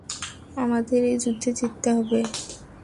আমাদের এই যুদ্ধে জিততে হবে।